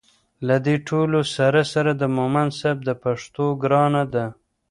له دې ټولو سره سره د مومند صیب د پښتو ګرانه ده